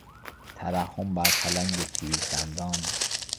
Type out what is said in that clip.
ترحم بر پلنگ تیز دندان....